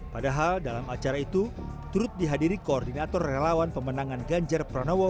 padahal dalam acara itu turut dihadiri koordinator relawan pemenangan ganjar pranowo